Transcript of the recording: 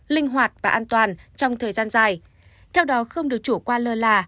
linh hoạt và an toàn trong thời gian dài theo đó không được chủ quan lơ là